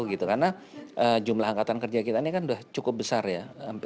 karena jumlah angkatan kerja kita ini kan sudah cukup besar ya